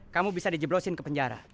kamu bisa dijeblosin ke penjara